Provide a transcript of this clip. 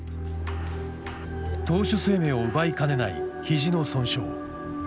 投手生命を奪いかねない肘の損傷。